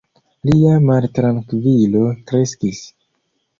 Lia maltrankvilo kreskis.